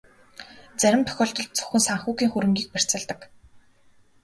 Зарим тохиолдолд зөвхөн санхүүгийн хөрөнгийг барьцаалдаг.